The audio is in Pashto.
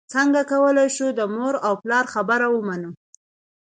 څنګه کولی شم د مور او پلار خبره ومنم